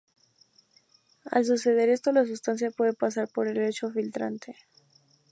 Al suceder esto la sustancia puede pasar por el lecho filtrante.